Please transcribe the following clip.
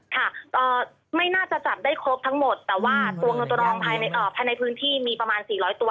ค่ะไม่น่าจะจับได้ครบทั้งหมดแต่ว่าตัวเงินตัวรองภายในภายในพื้นที่มีประมาณ๔๐๐ตัว